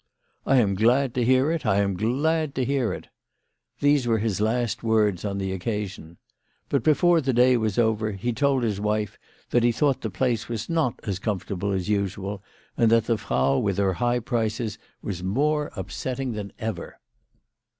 " I am glad to hear it. I am glad to hear it." These were his last words on the occasion. But before the day was over he told his wife that he thought the place was not as comfortable as usual, and that the Frau with her high prices was more upsetting than ever.